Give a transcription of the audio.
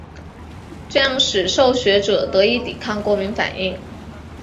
这样使得受血者得以抵抗过敏反应。